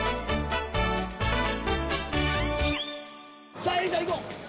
「さあ絵梨ちゃんいこう。